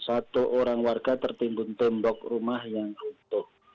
satu orang warga tertimbun tembok rumah yang runtuh